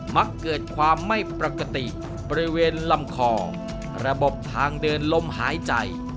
มักเกิดความไม่ปกติบริเวณลำคอระบบทางเดินลมหายใจ